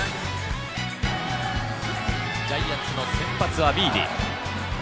ジャイアンツの先発はビーディ。